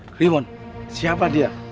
kliwon siapa dia